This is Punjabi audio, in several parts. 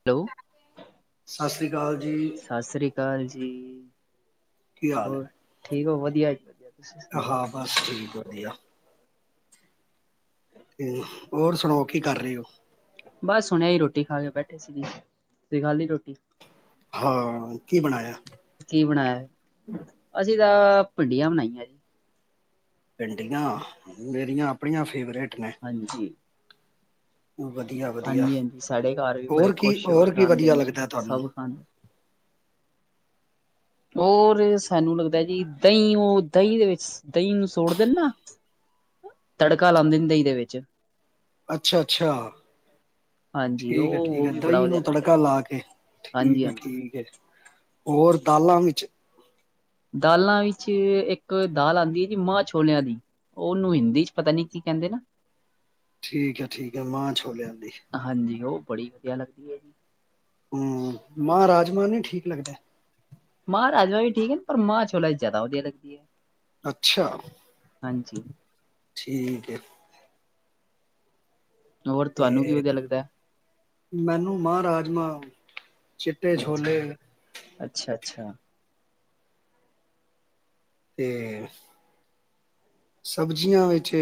ਹੇਲੋ। ਸਤਿ ਸ੍ਰੀ ਅਕਾਲ ਜੀ। ਸਤਿ ਸ੍ਰੀ ਅਕਾਲ ਜੀ ਕੀ ਹਾਲ ਹੋਰ ਠੀਕ ਹੋ, ਵਧੀਆ ਜੀ ਵਧੀਆ। ਤੁਸੀਂ ਸੁਣਾਓ ਹਾਂ ਬਸ ਠੀਕ ਵਧੀਆ। ਇਲ, ਹੋਰ ਸੁਣਾਓ ਕੀ ਕਰ ਰੇ ਔ। ਬਸ ਹੁਣੇ ਹੀ ਰੋਟੀ ਖਾ ਕੇ ਬੈਠੇ ਸੀ ਜੀ। ਤੁਸੀਂ ਖਾਲੀ ਰੋਟੀ। ਹਾਂ, ਕੀ ਬਣਾਯਾ। ਕੀ ਬੇਨੀਆਂ। ਅਸੀਂ ਤਾਂ ਭਿੰਡੀਆਂ ਬਣਾਈਆ ਜੀ। ਭਿੰਡੀਆ ਮੇਰੀਆਂ ਆਪਣੀਆਂ ਫੇਵਰੇਟ ਨੇ। ਹਾਂਜੀ। ਵਧੀਆ। ਵਧੀਆ ਹਾਂਜੀ-ਹਾਂਜੀ ਸਾਡੇ ਘਰ ਵੀ ਬੜੇ ਹੋਰ ਕੀ ਖੁਸ਼ ਹੋਕੇ ਹੋਰ ਕੀ ਖਾਂਦੇ ਵਧੀਆ ਨੇ ਜੀ ਲੱਗਦਾ ਤੁਹਾਨੂੰ ਸਭ ਖਾਂਦੇ। ਔਰ ਸਾਨੂੰ ਲੱਗਦਾ ਜੀ ਓਹ ਦਹੀਂ ਦੇ ਵਿੱਚ, ਦਹੀਂ ਨੂੰ ਸੋੜ ਦੇ ਨਾ। ਓ ਤੜਕਾ ਲਾੰਦੇ ਨੇ ਦਈ ਦੇ ਵਿਚ। ਅੱਛਾ-ਅੱਛਾ। ਹਾਂਜੀ ਉਹ ਠੀਕ ਹੈ ਠੀਕ ਉਹ ਹੈ, ਵੀ ਬੜਾ ਦਹੀਂ ਵਧੀਆ ਨੂੰ ਲੱਗਦਾ ਤੜਕਾ ਜੀ ਲਾ ਕੇ ਠੀਕ ਹਾਂਜੀ ਹੈ, ਹਾਂਜੀ ਠੀਕ ਹੈ ਜੀ। ਹੋਰ ਦਾਲਾਂ ਵਿੱਚ। ਦਾਲਾਂ ਵਿੱਚ ਇੱਕ ਦਾਲ ਆੰਦੀ ਏ ਜੀ ਮਾਂ-ਛੋਲਿਆਂ ਦੀ। ਓਹਨੂੰ ਹਿੰਦੀ ਚ ਪਤਾ ਨੀ ਕੀ ਕਹਿੰਦੇ ਨੇ। ਠੀਕ ਹੈ ਠੀਕ ਹੈ, ਮਾਂ-ਛੋਲਿਆਂ ਦੀ। ਹਾਂਜੀ, ਉਹ ਬੜੀ, ਵਧੀਆ ਲੱਗਦੀ ਹੈ ਜੀ। ਹੂੰ,, ਮਾਂ-ਰਾਜਮਾ ਨੀ, ਠੀਕ ਲੱਗਦੇ? ਮਾਂ-ਰਾਜਮਾਂ ਵੀ ਠੀਕ ਅ ਨ, ਪਰ ਮਾਂ-ਛੋਲਿਆਂ ਦੀ ਜਿਆਦਾ ਵਧੀਆ ਲਗਦੀ ਏ। ਅੱਛਾ, ਠੀਕ ਏ। ਹੋਰ ਤੁਹਾਨੂੰ ਕੀ ਤੇ, ਵਧੀਆ ਲੱਗਦਾ ਹੈ? ਮੈਨੂੰ ਮਾਂ-ਰਾਜਮਾਂ, ਚਿੱਟੇ ਛੋਲੇ। ਅੱਛਾ-ਅੱਛਾ। ਤੇ ਸਬਜ਼ੀਆਂ ਵਿੱਚ,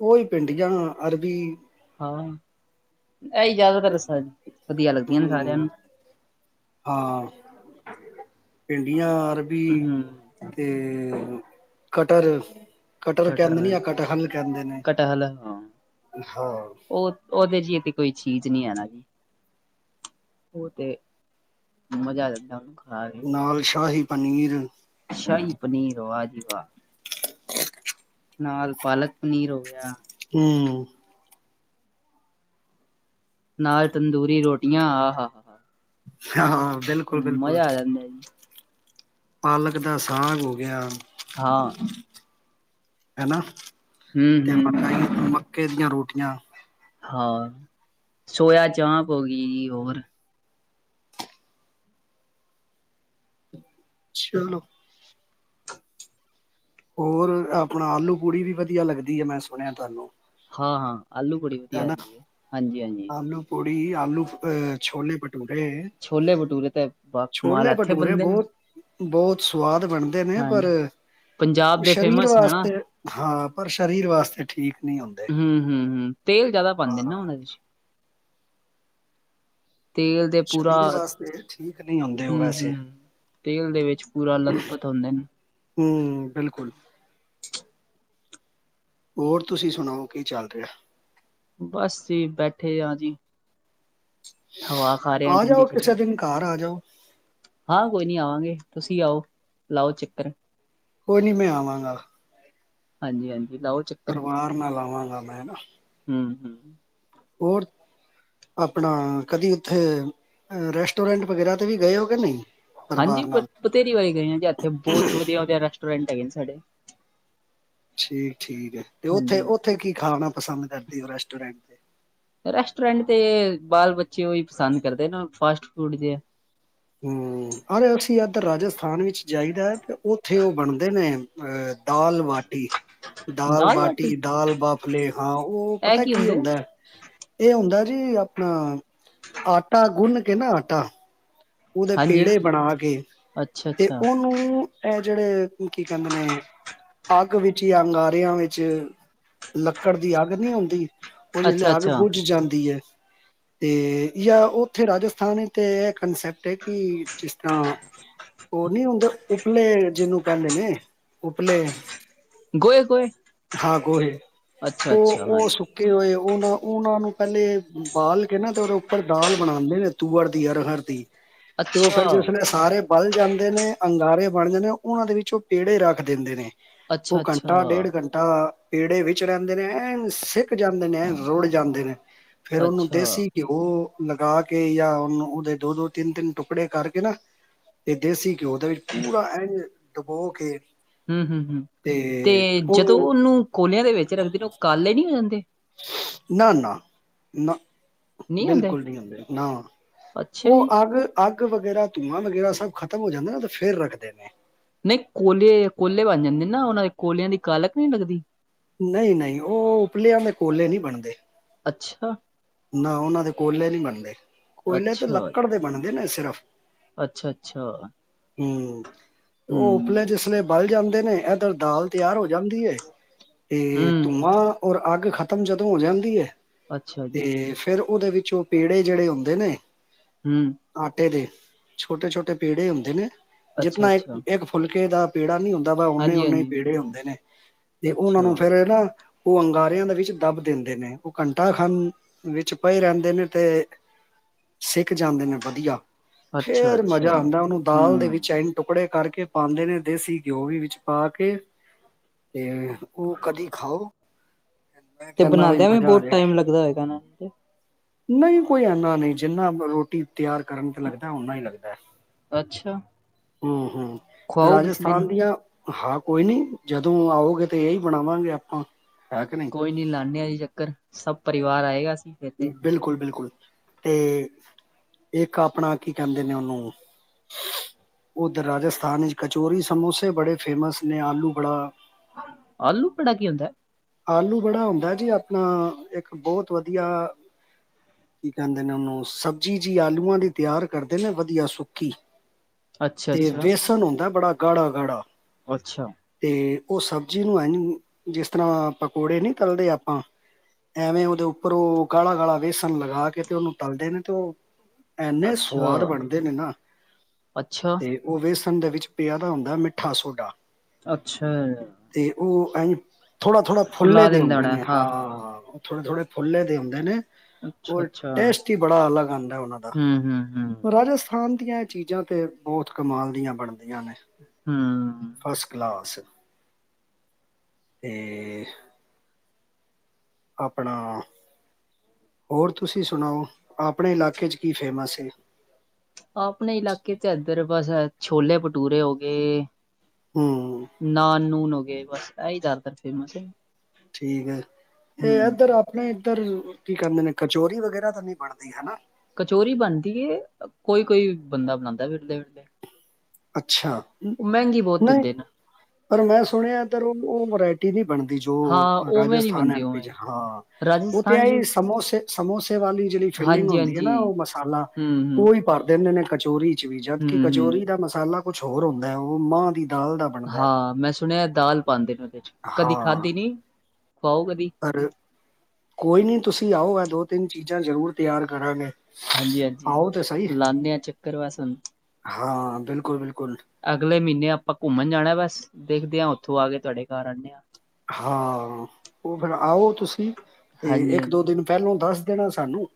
ਉਹੀ ਭਿੰਡੀਆਂ, ਅਰਬੀ। ਹਾਂ, ਐਹੀ ਜਿਆਦਾਤਰ, ਰਸ ਵਧੀਆ ਲੱਗਦੀਆਂ ਨੇ ਸਾਰਿਆਂ ਹਮ, ਨੂੰ। ਹਾਂ, ਭਿੰਡੀਆਂ, ਅਰਬੀ। ਹੂੰ ਤੇ, ਕਟਹਲ ਕਟਲ ਕਹਿੰਦੇ ਨੇ, ਕਟਰ ਜਾਂ ਕਟਹਲ ਕਹਿੰਦੇ ਨੇ, ਕਟਹਲ ਹਾਂ ਹਾਂ। ਉਹ, ਉਹਦੇ ਜੀ ਤੇ, ਕੋਈ ਚੀਜ਼ ਨੀ ਹੈ, ਨਾ ਜੀ। ਉਹ ਤੇ, ਮਜ਼ਾ ਆ ਜਾਂਦਾ ਉਹਨੂੰ ਖਾ ਕੇ। ਨਾਲ, ਸ਼ਾਹੀ ਪਨੀਰ। ਸ਼ਾਹੀ ਪਨੀਰ, ਵਾਹ ਜੀ ਵਾਹ। ਨਾਲ, ਪਾਲਕ -ਪਨੀਰ ਹੋ ਗਿਆ। ਹਮ ਨਾਲ, ਤੰਦੂਰੀ ਰੋਟੀਆਂ, ਆਹ, ਹਾ ਹਾਂ ਬਿਲਕੁਲ ਬਿਲਕੁਲ ਮਜ਼ਾ ਆ ਜਾਂਦਾ ਜੀ। ਪਾਲਕ, ਦਾ ਸਾਗ ਹੋ ਗਿਆ। ਹਾਂ। ਹੈਨਾ, ਹੂੰ ਤੇ ਹੂੰ ਹੂੰ ਮਕਈ, ਮੱਕੇ ਦੀਆਂ ਰੋਟੀਆਂ। ਹਾਂ, ਸੋਇਆ ਚਾਂਪ ਹੋ ਗਈ। ਹੋਰ? ਚਲੋ। ਹੋਰ, ਐ ਅਪਣਾ, ਆਲੂ-ਪੂੜੀ ਵੀ, ਵਧੀਆ ਲੱਗਦੀ ਏ, ਮੈਂ ਸੁਣਿਆ, ਤੁਹਾਨੂੰ। ਹਾਂ-ਹਾਂ, ਆਲੂ-ਪੂੜੀ ਵਧੀਆ ਹੈਨਾ ਹੁੰਦੀ ਏ, ਹਾਂਜੀ-ਹਾਂਜੀ। ਆਲੂ ਪੂੜੀ, ਆਲੂ ਅਹ ਛੋਲੇ-ਭਟੂਰੇ। ਛੋਲੇ-ਭਟੂਰੇ ਤੇ, ਬਾ-ਕਮਾਲ ਐਥੇ ਭਟੂਰੇ ਬਣਦੇ ਨ। ਬਹੁਤ ਬਹੁਤ, ਸਵਾਦ ਬਣਦੇ ਨੇ, ਪਰ ਹਾਂਜੀ ਪੰਜਾਬ ਦੇ ਸਰੀਰ ਫੇਮਸ ਹੈ ਨਾ ਵਾਸਤੇ ਹਾਂ, ਪਰ ਸਰੀਰ ਵਾਸਤੇ ਠੀਕ ਨਹੀਂ ਹੁੰਦੇ। ਹੂੰ-ਹੂੰ, ਹੂੰ, ਤੇਲ ਜਿਆਦਾ ਪਾਂਦੇ, ਨਾ ਹਾਂ ਓਹਨਾਂ ਵਿੱਚ। ਤੇਲ ਦੇ ਪੂਰਾ ਸਰੀਰ ਵਾਸਤੇ ਠੀਕ ਨਹੀਂ ਹੁੰਦੇ ਹੂੰ, ਉਹ ਵੈਸੇ। -ਹੂੰ। ਤੇਲ ਦੇ, ਵਿੱਚ ਪੂਰਾ ਲੱਥਪਥ ਹੁੰਦੇ ਨ। ਹੂੰ, ਬਿਲਕੁਲ। ਹੋਰ ਤੁਸੀਂ ਸੁਣਾਓ, ਕੀ ਚੱਲ ਰਿਹਾ? ਬਸ ਜੀ, ਬੈਠੇ ਆਂ ਜੀ। ਹਵਾ ਖਾ ਰਹੇ ਆ ਠੰਡੀ ਜਾਓ, ਕਿਸੇ ਠੰਡੀ ਦਿਨ ਘਰ ਆ ਜਾਓ। ਹਾਂ ਕੋਈ ਨੀ ਆਵਾਂਗੇ, ਤੁਸੀਂ ਆਓ, ਲਾਓ ਚੱਕਰ। ਕੋਈ, ਨਹੀਂ ਮੈਂ ਆਵਾਂਗਾ। ਹਾਂਜੀ -ਹਾਂਜੀ। ਲਓ ਚੱ ਪਰਿਵਾਰ ਨਾਲ, ਆਵਾਂਗਾ ਮੈਂ ਨਾ। ਹਮ- ਹਮ। ਹੋਰ? ਆਪਣਾ, ਕਦੀ ਉੱਥੇ ਰੈਸਟੋਰੈਂਟ ਵਗੈਰਾ ਤੇ ਵੀ, ਗਏ ਹੋ ਕੇ ਨਹੀਂ? ਹਾਂਜੀ, ਪਰਿਵਾਰ ਨਾਲ? ਬਥੇਰੀ ਵਾਰੀ ਗਏ ਜੀ, ਇੱਥੇ ਬਹੁਤ ਵਧੀਆ- ਵਧੀਆ ਰੈਸਟੋਰੈਂਟ ਹੈਗੇ ਨੇ ਸਾਡੇ। ਠੀਕ -ਠੀਕ ਹੈ। ਤੇ ਉੱਥੇ, ਹਾਂਜੀ ਉੱਥੇ ਕੀ ਖਾਣਾ ਪਸੰਦ, ਕਰਦੇ ਓ ਰੈਸਟੋਰੈਂਟ ਤੇ? ਰੈਸਟੋਰੈਂਟ ਤੇ, ਬਾਲ -ਬੱਚੇ ਉਹੀ ਪਸੰਦ ਕਰਦੇ ਨ ਫਾਸਟ ਫੂਡ ਜਿਹਾ। ਹਮ, ਅਰੇ ਅਸੀਂ ਇੱਧਰ ਰਾਜਸਥਾਨ ਵਿੱਚ ਜਾਈਦਾ ਹੈ, ਤੇ ਉੱਥੇ ਉਹ ਬਣਦੇ ਨੇ। ਅਹ, ਦਾਲ ਬਾਟੀ। ਦਾਲ ਬਾਟੀ, ਦਾਲ ਬਾਫਲੇ ਹਾਂ, ਉਹ ਇਹ ਪਤਾ ਕੀ ਹੁੰਦੇ ਆ? ਹੁੰਦਾ ਹੈ। ਇਹ ਹੁੰਦਾ ਜੀ ਆਪਣਾ ਆਟਾ ਗੁੰਨ ਕੇ ਨਾ ਆਟਾ। ਉਹਦੇ ਹਾਂਜੀ ਪੇੜੇ ਬਣਾ ਕੇ ਅੱਛਾ ਤੇ ਅੱਛਾ ਉਹਨੂੰ ਇਹ ਜਿਹੜੇ ਕੀ ਕਹਿੰਦੇ ਨੇ। ਅੱਗ ਵਿੱਚ ਜਾਂ ਅੰਗਾਰਿਆਂ ਵਿੱਚ ਲੱਕੜ ਦੀ ਅੱਗ ਨਹੀਂ ਆੰਦੀ ਉਹ ਥੱਲੇ ਅੱਛਾ ਅੱਗ ਅੱਛਾ ਬੁੱਝ ਜਾਂਦੀ ਹੈ। ਤੇ ਜਾਂ ਉੱਥੇ ਰਾਜਸਥਾਨ ਤੇ ਇਹ ਕੰਨਸੈਪਟ ਹੈ ਕਿ ਜਿਸ ਤਰ੍ਹਾਂ ਉਹ ਨਹੀਂ ਹੁੰਦੇ ਉਪਲੇ, ਜਿਹਨੂੰ ਕਹਿੰਦੇ ਨੇ ਉਪਲੇ। ਗੋਏ ਗੋਏ ਹਾਂ ਗੋਹੇ ਅੱਛਾ ਉਹ ਅੱਛਾ ਉਹ ਹਾਂਜੀ ਸੁ ਹੋਏ ਉਹਨਾਂ ਉਹਨਾਂ ਨੂੰ ਪਹਿਲੇ ਬਾਲ ਕੇ ਨਾ ਤੇ ਉਹਦੇ ਉੱਪਰ ਦਾਲ ਬਣਾਦੇ ਨੇ ਤੂਅਰ ਦੀ, ਅਰਹਰ ਦੀ। ਤੇ ਉਹ ਅੱਛਾ ਫਿਰ ਜਿਸਲੇ ਸਾਰੇ ਬਲ ਜਾਂਦੇ ਨੇ ਅੰਗਾਰੇ ਬਣ ਜਾਂਦੇ ਨੇ ਉਹਨਾਂ ਦੇ ਵਿੱਚ ਉਹ ਪੇੜੇ ਰੱਖ ਦਿੰਦੇ ਨੇ। ਅੱਛਾ ਉਹ ਅੱਛਾ ਘੰਟਾ ਡੇਢ ਘੰਟਾ। ਐ ਪੇੜੇ ਵਿੱਚ ਰਹਿੰਦੇ ਨੇ ਐ ਨ ਸਿੱਕ ਜਾਂਦੇ ਨੇ, ਰੁੜ ਜਾਂਦੇ ਨੇ। ਫੇਰ ਉਹਨੂੰ ਅੱਛਾ ਦੇਸੀ ਘਿਓ ਲਗਾ ਕੇ ਜਾਂ ਉਹਨੂੰ ਓਦੇ ਦੋ ਦੋ ਤਿੰਨ-ਤਿੰਨ ਟੁਕੜੇ ਕਾਰਕੇ ਨਾ, ਤੇ ਦੇਸੀ ਘਿਓ ਦੇ ਵਿੱਚ ਪੂਰਾ ਐਂਝ ਡੁਬੋ ਕੇ ਹੂੰ, ਹੂੰ, ਹੂੰ ਤੇ ਜਦੋ ਉਹਨੂੰ ਓਨੂੰ ਕੋਲਯਾਂ ਦੇ ਵਿੱਚ ਰੱਖਦੇ ਨੇ ਓ ਕਾਲੇ ਨੀ ਹੋ ਜਾਂਦੇ। ਨਾ, ਨਾ, ਨਾ, ਬਿਲਕੁਲ ਨੀ ਹੁੰਦੇ, ਨਾ ਅੱਛਾ ਓ ਜੀ, ਅੱਗ, ਅੱਗ ਵਗੈਰਾ ਧੂੰਆਂ ਵਗੈਰਾ ਸਬ ਖ਼ਤਮ ਹੋ ਜਾਂਦੈ ਨਾ, ਤੇ ਫੇਰ ਰੱਖਦੇ ਨੇ। ਨਈ ਕੋਲੇ ਕੋਲੇ ਬੰਨ ਜਾਂਦੇ ਨਾ, ਓਨਾਂ ਦੇ ਕੋਲਯਾਂ ਦੀ ਕਾਲਕ ਨੀ ਲੱਗਦੀ। ਨਈ, ਨਈ ਓ ਉਪਲਯਾਂ ਦੇ ਕੋਲੇ ਨੀ ਬਣਦੇ ਅੱਛਾ। ਨਾ ਉਹਨਾਂ ਦੇ ਕੋਇਲੇ ਨਹੀਂ ਬਣਦੇ ਕੋਇਲੇ ਤੇ ਅੱਛਾ, ਲੱਕੜ ਦੇ ਬਣਦੇ ਨੇ ਸਿਰਫ। ਅੱਛਾ-ਅੱਛਾ, ਹਮ ਉਹ ਹੂੰ, ਉੱਪਲੇ ਜਿਸ ਲ ਬਲ ਜਾਂਦੇ ਨੇ ਇੱਧਰ ਦਾਲ ਤਿਆਰ ਹੋ ਜਾਂਦੀ ਹੈ ਤੇ ਹੂੰ, ਧੂੰਮਾਂ। ਔਰ ਅੱਗ ਖਤਮ ਜਦੋਂ ਹੋ ਜਾਂਦੀ ਹੈ। ਅੱਛਾ ਜੀ, ਤੇ ਫਿਰ ਉਹਦੇ ਵਿੱਚੋਂ ਪੇੜੇ ਜਿਹੜੇ ਹੁੰਦੇ ਨੇ। ਹਮ। ਆਟੇ ਦੇ ਛੋਟੇ ਛੋਟੇ ਪੇੜੇ ਹੁੰਦੇ ਨੇ ਜਿਤਨਾ ਇੱਕ ਅੱਛਾ-ਅੱਛਾ, ਇੱਕ ਫੁਲਕੇ ਦਾ। ਪੇੜਾ ਨੀ ਹੁੰਦਾ ਵਾ ਓਨੇ ਓਨੇ ਹੀ ਹਾਂਜੀ-ਹਾਂਜੀ, ਪੇੜੇ ਹੁੰਦੇ ਨੇ ਤੇ ਉਹਨਾ ਨੂੰ ਅੱਛਾ, ਫੇਰ ਨਾ ਉਹ ਅੰਗਾਰਿਆਂ ਦੇ ਵਿੱਚ ਦੱਬ ਦਿੰਦੇ ਨੇ ਉਹ ਘੰਟਾ ਖੰ ਵਿੱਚ ਪਏ ਰਹਿੰਦੇ ਨੇ ਤੇ ਸਿੱਕ ਜਾਂਦੇ ਨੇ ਵਧੀਆ। ਫੇਰ ਮਜ਼ਾ ਅੱਛਾ-ਅੱਛਾ, ਆਉਂਦਾ ਉਹਨੂੰ ਦਾਲ ਦੇ ਵਿੱਚ ਹੂੰ। ਟੁਕੜੇ ਕਰਕੇ ਪਾਂਂਦੇ ਨੇ ਦੇਸੀ ਘਿਓ ਵੀ ਵਿੱਚ ਪਾ ਕੇ। ਤੇ ਓ ਕਦੀ ਖਾਓ ਮੈਂ ਤੇ ਕੈਂਦਾ ਵਈ ਬਣਾਦਿਆਂ ਵੀ ਮਜ਼ਾ ਬਹੁਤ ਆਜੇ। ਟਾਈਮ ਲੱਗਦਾ ਹੋਏਗਾ [unintelligible] ਨੂੰ ਤੇ ਨਈ ਕੋਈ ਐਨਾ ਨਈ ਜਿੰਨਾ ਰੋਟੀ ਤਿਆਰ ਕਰਨ ਤੇ ਲੱਗਦੈ, ਓਨਾ ਈ ਲੱਗਦੈ, ਅੱਛਾ, ਹੂੰ, ਹੂੰ। ਖਵਾਓ ਕਿਸੇ ਦਿਨ ਰਾਜਸਥਾਨ ਦੀਆਂ ਹਾਂ, ਕੋਈ ਨੀ ਜਦੋ ਆਓਗੇ ਤੇ ਏਈ ਬਣਾਵਾਂਗੇ ਆਪਾਂ, ਹੈ ਕੇ ਨੀ ਕੋਈ ਨੀ ਲਾਨੇ ਆ ਜੀ ਚੱਕਰ, ਸਬ ਪਰਿਵਾਰ ਆਏਗਾ ਅਸੀ ਫੇਰ ਤੇ ਬਿਲਕੁਲ, ਬਿਲਕੁਲ, ਤੇ ਏਕ ਆਪਣਾ ਕੀ ਕੈਂਦੇ ਨੇ ਓਨੂੰ ਓਦਰ ਰਾਜਸਥਾਨ ਇੱਚ ਕਚੋਰੀ, ਸਮੋਸੇ ਬੜੇ ਫੇਮਸ ਨੇ, ਆਲੂ ਵੜਾ ਆਲੂ ਵ ੜਾ ਕੀ ਹੋਂਦੈ? ਆਲੂ ਵੜਾ ਹੁੰਦੈ ਜੀ ਆਪਣਾ ਇੱਕ ਬੋਤ ਵਦੀਆ ਕੀ ਕੈਂਦੇ ਨੇ ਓਨੂੰ, ਸਬਜ਼ੀ ਜੀ ਆਲੂਆ ਦੀ ਤਿਯਾਰ ਕਰਦੇ ਨੇ ਵਦੀਆ ਸੁੱਕੀ ਤੇ ਅੱਛਾ-ਅੱਛਾ, ਵੇਸਨ ਹੁੰਦੈ ਬੜਾ ਗਾੜਾ, ਗਾੜਾ ਅੱਛਾ। ਤੇ ਓ ਸਬਜ਼ੀ ਨੂੰ ਐਂਜ, ਜਿਸ ਤਰਾਂ ਪਕੌੜੇ ਨੀ ਤੱਲਦੇ ਆਪਾਂ ਐਵੇਂ ਓਦੇ ਉੱਪਰ ਓ ਗਾੜਾ, ਗਾੜਾ ਵੇਸਨ ਲਗਾ ਕੇ, ਤੇ ਓਨੂੰ ਤੱਲਦੇ ਨੇ, ਤੇ ਓ ਐਨੇ ਅੱਛਾ, ਸਵਾਦ ਬਣਦੇ ਨੇ ਨਾ ਅੱਛਾ। ਤੇ ਓ ਵੇਸਨ ਦੇ ਵਿੱਚ ਪੇਯਾ ਦਾ ਹੁੰਦੈ। ਮਿੱਠਾ ਸੋਡਾ ਅੱਛਾ। ਤੇ ਓ ਐਂਜ ਥੋੜਾ- ਥੋੜਾ ਫੁੱਲੇ ਫੁਲਾ ਦੇ ਦਿੰਦਾ ਹੁੰਦੇ ਹੋਣਾ ਨੇ। ਹਾਂ-ਹਾਂ, ਹਾਂ ਥੋੜੇ- ਥੋੜੇ ਫੁੱਲੇ ਦੇ ਹੋਂਦੇ ਨੇ। ਔਰ ਅੱਛਾ-ਅੱਛਾ, ਟੇਸਟ ਈ ਬੜਾ ਅਲਗ ਆਂਦੈ ਓਨਾਂ ਦਾ। ਹੂੰ-ਹੂੰ-ਹੂੰ। ਰਾਜਸਥਾਨ ਦੀਆਂ ਏ ਚੀਜ਼ਾਂ ਤੇ ਬੋਤ ਕਮਾਲ ਦੀਆਂ ਬਣਦੀਆਂ ਨੇ। ਹੂੰ। ਫਸਟ ਕਲਾਸ ਤੇ। ਆਪਣਾ ਹੋਰ, ਤੁਸੀ ਸੁਨਾਓ। ਆਪਣੇ ਇਲਾਕੇ ਚ ਕੀ ਫੇਮਸ ਏ? ਆਪਨੇ ਇਲਾਕੇ ਚ ਐੱਧਰ ਬਾੱਸ ਐ ਛੋਲੇ-ਬਟੂਰੇ ਹੋਗੇ। ਹੂੰ। ਨਾਨ- ਨੂਨ ਹੋਗੇ। ਬਾੱਸ ਐਈ ਜਾਦਾਤਰ ਫੇਮਸ ਏ। ਠੀਕ ਐ। ਇਹ ਇੱਧਰ ਆਪਣੇ ਇੱਧਰ ਕੀ ਕਹਿੰਦੇ ਨੇ। ਕਚੋਰੀ ਵਗੈਰਾ ਤਾਂ ਨਹੀਂ ਬਣਦੀ ਹਨਾ। ਕਚੋਰੀ ਬਣਦੀ ਏ। ਕੋਈ - ਕੋਈ ਬੰਦਾ ਬਣਾਉਂਦਾ ਵਿਰਲੇ ਵਿਰਲੇ। ਅੱਛਾ। ਬਹੁਤ ਨਹੀਂ ਦਿੰਦੇ ਨੇ। ਪਰ ਮੈਂ ਸੁਣਿਆ ਏਧਰ ਉਹ- ਉਹ ਵਰਾਇਟੀ ਨਹੀਂ ਬਣਦੀ। ਜੋ ਹਾਂ ਉਵੇਂ ਨੀ ਰਾਜਸਥਾਨ ਬਣਦੀ ਐਮ ਪੀ ਚ ਉਵੇਂ ਹਾਂ। ਉਹ ਤੇ ਰਾਜਸਥਾਨ ਚ ਆਈ ਸਮੋਸੇ ਸਮੋਸੇ ਵਾਲੀ ਜਿਹੜੀ ਫੀਲਿੰਗ ਹੁੰਦੀ ਐ। ਹਾਂਜੀ-ਹਾਂਜੀ, ਨਾ ਉਹ ਮਸਾਲਾ ਹੂੰ-ਹੂੰ, ਓਹੀ। ਭਰ ਦਿੰਦੇ ਨੇ ਕਚੋਰੀ ਚ ਵੀ। ਜਦਕਿ ਹੂੰ-ਹੂੰ। ਕਚੋਰੀ ਦਾ ਮਸਾਲਾ ਕੁਛ ਹੋਰ ਹੁੰਦਾ ਏ। ਉਹ ਮਾਂਹ ਦੀ ਦਾਲ ਦਾ ਬਣਦਾ ਹੈ। ਹਾਂ। ਮੈਂ ਸੁਨਯੈ ਦਾਲ ਪਾਂਦੇ ਨੇ ਓਦੇ ਚ'ਕਦੀ ਹਾਂ, ਖਾਧੀ ਨੀ, ਖਵਾਓ ਕਦੀ। ਪਰ ਕੋਈ ਨੀ ਤੁਸੀ ਆਓ। ਐ ਦੋ-ਤਿੰਨ ਚੀਜ਼ਾਂ ਜ਼ਰੂਰ ਤਿਆਰ ਕਰਾਂਗੇ। ਹਾਂਜੀ- ਹਾਂਜੀ ਆਓ ਤੇ ਸਹੀ ਲਾਨੇ ਆ ਚੱਕਰ ਵੱਸ ਹੁਨ। ਹਾਂ। ਬਿਲਕੁਲ-ਬਿਲਕੁਲ। ਅਗਲੇ ਮਹੀਨੇ ਆਪਾ ਘੁੰਮਨ ਜਾਣੈ। ਬਾੱਸ ਦੇਖਦੇ ਆਂ। ਓਥੋਂ ਆਕੇ ਤਹਾਡੇ ਘਾੱਰ ਆਨੇ ਆ। ਹਾ। ਓ ਫੇਰ ਆਓ ਤੁਸੀ, ਤੇ ਇੱਕ ਦੋ ਹਾਂਜੀ-ਹਾਂਜੀ ਦਿਨ ਪੈਲੋਂ ਦਾੱਸ ਦੇਨਾ ਸਾਨੂੰ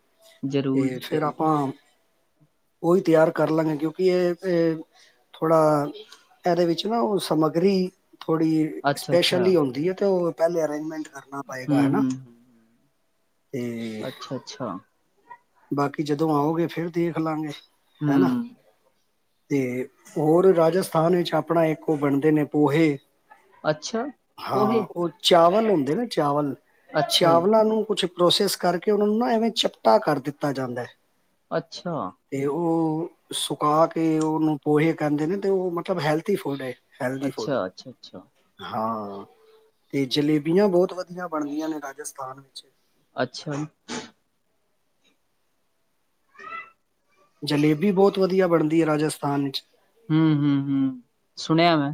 ਜ਼ਰੂਰ ਤੇ ਜੀ ਫੇਰ ਜ਼ਰੂਰ ਆਪਾਂ। ਓਈ ਤਿਆਰ ਕਾਰਲਾਂਗੇ ਕਿਓਕਿ ਏ- ਏ। ਥੋੜਾ ਐਦੇ ਵਿੱਚ ਨਾ ਓ ਸਮੱਗਰੀ ਥੋੜੀ। ਅੱਛਾ-ਅੱਛਾ ਸਪੈਸ਼ਲੀ ਹੋਂਦੀ ਏ। ਤੇ ਓ ਪੈਲੇ ਅਰੇਂਜਮੈਂਟ ਕਰਨਾ ਪਏਗਾ‌, ਹਨਾ। ਹੂੰ-ਹੂੰ ਤੇ ਅੱਛਾ- ਅੱਛਾ ਬਾਕੀ ਜਦੋ ਆਓਗੇ ਫੇਰ ਦੇਖਲਾਂਗੇ, ਹੈਨਾ। ਹੂੰ ਤੇ ਔਰ ਰਾਜਸਥਾਨ ਵਿੱਚ ਆਪਣਾ ਇੱਕ ਓ ਬਣਦੇ ਨੇ, ਪੋਹੇ। ਅੱਛਾ ਪੋਹੇ ਹਾਂ, ਉਹ ਚਾਵਲ ਹੁੰਦੇ ਨਾ। ਚਾਵਲ- ਅੱਛਾ ਜੀ ਚਾਵਲਾਂ ਨੂੰ ਕੁਛ। ਪ੍ਰੋਸੈਸ ਕਰਕੇ ਉਹਨਾਂ ਨੂੰ ਨਾ ਐਵੇਂ ਚਪਟਾ ਕਰ ਦਿੱਤਾ ਜਾਂਦਾ। ਅੱਛਾ। ਤੇ ਉਹ ਸੁਕਾ ਕੇ, ਉਹਨੂੰ ਪੋਹੇ ਕਹਿੰਦੇ ਨੇ ਤੇ ਉਹ ਮਤਲਬ ਹੈਲਥੀ ਫੂਡ ਏ। Healthy food. ਅੱਛਾ-ਅੱਛਾ-ਅੱਛਾ ਅੱਛਾ ਅੱਛਾ ਹਾਂ। ਤੇ ਜਲੇਬੀਆਂ ਬਹੁਤ ਵਧੀਆ ਬਣਦੀਆਂ ਨੇ ਰਾਜਸਥਾਨ ਵਿੱਚ। ਅੱਛਾ। ਜਲੇਬੀ ਬਹੁਤ ਵਧੀਆ ਬਣਦੀ ਏ ਰਾਜਸਥਾਨ ਵਿੱਚ। ਹੂ ਹੂ - ਹੂ ਸੁਣਿਆ ਮੈਂ।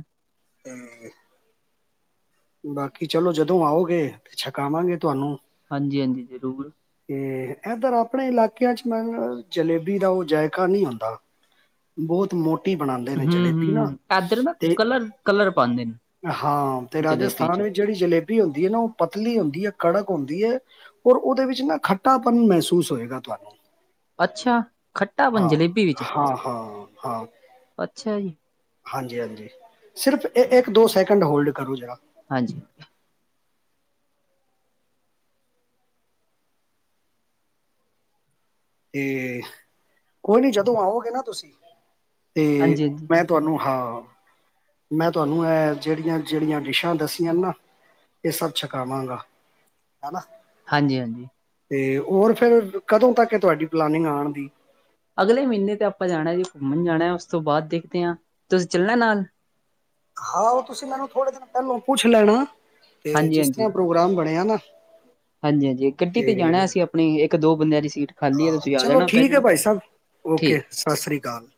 ਹੂ। ਬਾਕੀ ਚਲੋ। ਜਦੋਂ ਆਓਗੇ ਤੇ ਛਕਾਵਾਂਗੇ ਤੁਹਾਨੂੰ। ਹਾਂਜੀ - ਹਾਂਜੀ ਜ਼ਰੂਰ। ਤੇ ਏਧਰ ਆਪਣੇ ਇਲਾਕਿਆਂ ਚ ਜਲੇਬੀ ਦਾ ਉਹ ਜਾਇਕਾ ਨਹੀਂ ਹੁੰਦਾ। ਬਹੁਤ ਮੋਟੀ ਬਣਾਉਂਦੇ ਨੇ ਹੂੰ-ਹੂੰ ਜਲੇਬੀ ਨਾ ਏਧਰ ਨਾ ਤੇ, ਕਲਰ ਕਲਰ ਪਾਂਦੇ ਨੇ ਹਾਂ। ਜਲੇਬੀ ਰਾਜਸਥਾਨ ਚ ਵਿੱਚ ਜਿਹੜੀ ਜਲੇਬੀ ਹੁੰਦੀ ਏ ਨਾ। ਉਹ ਪਤਲੀ ਹੁੰਦੀ ਏ ਕੜਕ ਹੁੰਦੀ ਏ। ਔਰ ਉਹਦੇ ਵਿੱਚ ਨਾ ਖੱਟਾਪਨ ਮਹਿਸੂਸ ਹੋਏਗਾ। ਤੁਹਾਨੂੰ ਅੱਛਾ ਖੱਟਾਪਨ ਹਾਂ ਜਲੇਬੀ ਵਿੱਚ ਹਾਂ - ਹਾਂ ਹਾਂ। ਅੱਛਾ ਜੀ। ਹਾਂਜੀ ਹਾਂਜੀ, ਸਿਰਫ ਇਹ ਇੱਕ ਦੋ ਸੈਕਿੰਡ ਹੋਲਡ ਕਰੋ ਜਰਾ। ਹਾਂਜੀ। ਤੇ ਕੋਈ ਨੀ, ਜਦੋਂ ਆਉਗੇ ਨਾ ਤੁਸੀਂ, ਤੇ ਹਾਂਜੀ, ਮੈਂ ਤੁਹਾਨੂੰ ਹਾਂ, ਮੈਂ ਤੁਹਾਨੂੰ ਐਹ ਜਿਹੜੀਆਂ ਜਿਹੜੀਆਂ ਡਿਸ਼ਾਂ ਦੱਸੀਆਂ ਨਾ ਇਹ ਸਭ ਛਕਾਵਾਂਗਾ ਹਨਾ। ਹਾਂਜੀ ਹਾਂਜੀ। ਤੇ ਹੋਰ, ਫੇਰ ਕਦੋਂ ਤੱਕ ਤੁਹਾਡੀ ਪਲਾਨਿੰਗ ਆਣ ਦੀ। ਅਗਲੇ ਮਹੀਨੇ ਤੇ ਆਪਾਂ ਜਾਣਾ ਜੀ ਘੁੰਮਣ ਜਾਣਾ, ਉਸ ਤੋਂ ਬਾਅਦ ਦੇਖਦੇ ਆ, ਤੁਸੀਂ ਚੱਲਣਾ ਨਾਲ? ਹਾਂ, ਉਹ ਤੁਸੀਂ ਮੈਨੂੰ ਥੋੜੇ ਦਿਨ ਪਹਿਲੋਂ ਪੁੱਛ ਲੈਣਾ, ਤੇ ਹਾਂਜੀ, ਜਿਸ ਹਾਂਜੀ। ਤਰ੍ਹਾਂ ਪ੍ਰੋਗਰਾਮ ਬਣਿਆ ਨਾ ਹਾਂਜੀ ਹਾਂਜੀ, ਗੱਡੀ ਤੇ ਜਾਣਾ ਅਸੀਂ ਆਪਣੀ, ਇੱਕ ਦੋ ਬੰਦਿਆਂ ਦੀ ਸੀਟ ਖਾਲੀ ਹੈ ਹਾ ਤੁਸੀਂ ਆ ਚਲੋ ਜਾਣਾ ਠੀਕ ਐ ਪਹਿਲੇ ਭਾਈ ਸਾਹਿਬ, ਠੀਕ। ਓਕੇ ਸਤਿ ਸ੍ਰੀ ਅਕਾਲ।